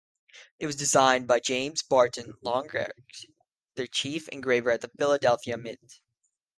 It was designed by James Barton Longacre, the Chief Engraver at the Philadelphia Mint.